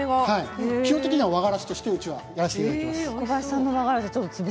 基本的には、和がらしとしてうちではやらせていただいています。